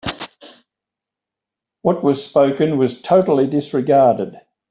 What was spoken was totally disregarded.